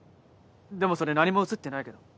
でもそれ何も写ってないけど？